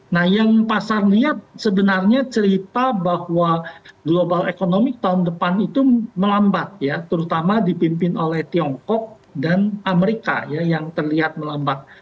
nah yang pasar lihat sebenarnya cerita bahwa global economic tahun depan itu melambat ya terutama dipimpin oleh tiongkok dan amerika yang terlihat melambat